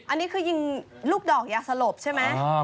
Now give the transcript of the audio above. อันนี้คือยิงลูกดอกยาสลบใช่ไหม